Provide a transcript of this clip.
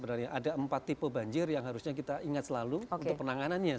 ada empat tipe banjir yang harusnya kita ingat selalu untuk penanganannya